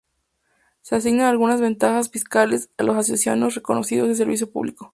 Se asignan algunas ventajas fiscales a las asociaciones reconocidas de servicio público.